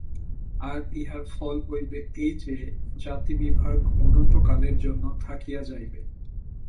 আর ইহার ফল হইবে এই যে, জাতিবিভাগ অনন্তকালের জন্য থাকিয়া যাইবে।